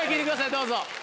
どうぞ。